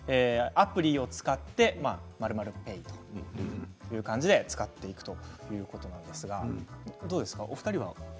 アプリを使ってまるまるペイという感じで使っていくということなんですがどうですか、お二人は。